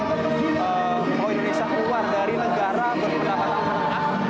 mau indonesia keluar dari negara berpendapatan haat